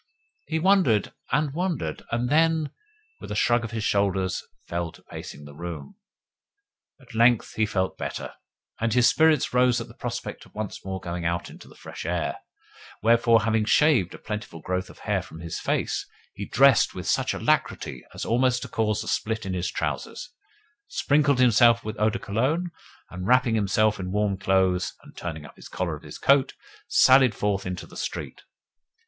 He wondered and wondered, and then, with a shrug of his shoulders, fell to pacing the room. At length he felt better, and his spirits rose at the prospect of once more going out into the fresh air; wherefore, having shaved a plentiful growth of hair from his face, he dressed with such alacrity as almost to cause a split in his trousers, sprinkled himself with eau de Cologne, and wrapping himself in warm clothes, and turning up the collar of his coat, sallied forth into the street.